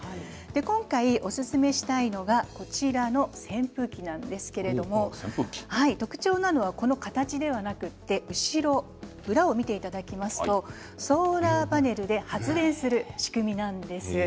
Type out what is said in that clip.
今回おすすめしたいのがこちらの扇風機なんですけれども特徴なのは、この形ではなくて裏を見ていただきますとソーラーパネルで発電する仕組みなんです。